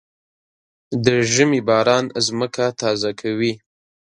د ژمي باران ځمکه تازه کوي.